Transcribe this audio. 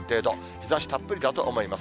日ざしたっぷりだと思います。